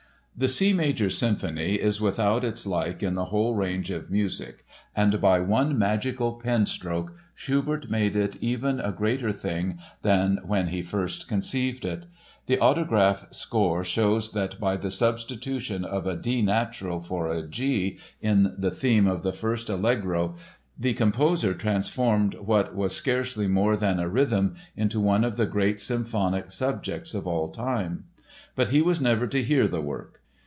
The C major Symphony is without its like in the whole range of music and by one magical pen stroke Schubert made it even a greater thing than when he first conceived it. The autograph score shows that by the substitution of a D natural for a G in the theme of the first Allegro the composer transformed what was scarcely more than a rhythm into one of the great symphonic subjects of all time. But he was never to hear the work.